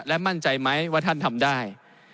และมั่นใจไหมว่าท่านทำได้